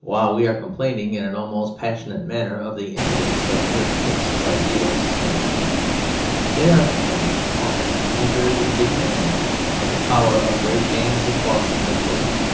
While we are complaining, in an almost passionate manner, of the impotence of mere cliques of idealists and dreamers, they are complaining, often in a very indignant manner, of the power of great gangs of bosses and bullies.